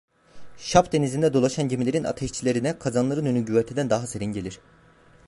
Şap Denizi'nde dolaşan gemilerin ateşçilerine kazanların önü güverteden daha serin gelir.